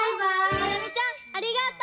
まなみちゃんありがとう！